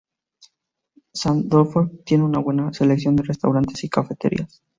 Sandefjord tienen una buena selección de restaurantes y cafeterías.